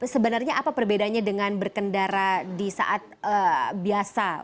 sebenarnya apa perbedaannya dengan berkendara di saat biasa